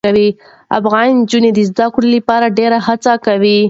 افغان نجونې د زده کړې لپاره ډېره هڅه کوي.